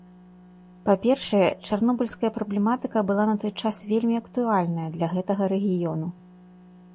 Па-першае, чарнобыльская праблематыка была на той час вельмі актуальная для гэтага рэгіёну.